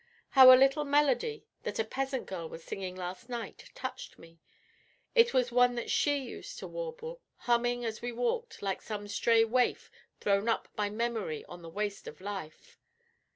How a little melody that a peasant girl was singing last night touched me! It was one that she used to warble, humming as we walked, like some stray waif thrown up by memory on the waste of life.